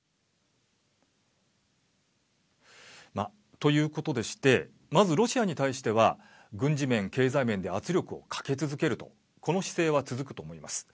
ということでしてまずロシアに対しては軍事面、経済面で圧力をかけ続けるとこの姿勢は続くと思います。